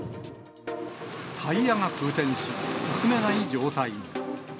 タイヤが空転し、進めない状態に。